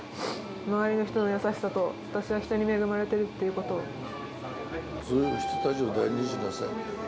周りの人の優しさと、私が人に恵そういう人たちを大事にしなさい。